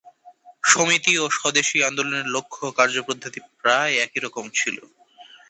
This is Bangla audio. সমিতি ও স্বদেশী আন্দোলনের লক্ষ ও কার্যপদ্ধতি প্রায় একই রকম ছিল।